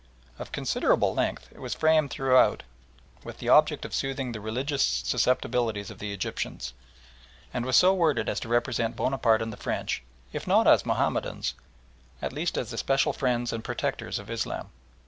Of considerable length, it was framed throughout with the object of soothing the religious susceptibilities of the Egyptians, and was so worded as to represent Bonaparte and the French, if not as Mahomedans, at least as the special friends and protectors of Islam.